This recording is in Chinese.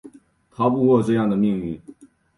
逃不过这样的命运